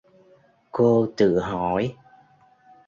Cô tự hỏi